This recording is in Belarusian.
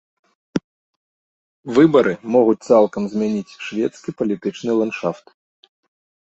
Выбары могуць цалкам змяніць шведскі палітычны ландшафт.